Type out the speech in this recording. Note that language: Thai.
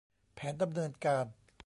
แผนดำเนินการ